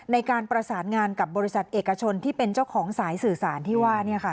ในการประสานงานกับบริษัทเอกชนที่เป็นเจ้าของสายสื่อสารที่ว่า